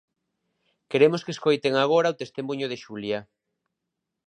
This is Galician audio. Queremos que escoiten agora o testemuño de Xulia.